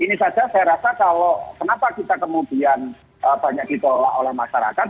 ini saja saya rasa kalau kenapa kita kemudian banyak ditolak oleh masyarakat